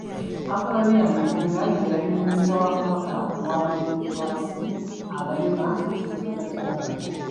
Apolonia Mugumbya ye yali minisita wa Kabaka owa bulungi bwansi, abalema n'ekikula ky'abantu.